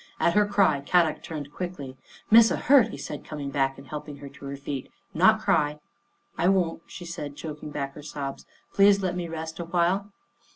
At her cry Kadok turned quickly, " Missa hurt," he said, coming back and help ing her to her feet. " Not cry." " I won't," she said, choking back her sobs. " Please let me rest awhile."